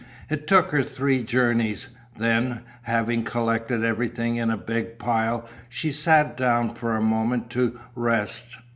It took her three journeys. Then, having collected everything in a big pile, she sat down for a moment to rest.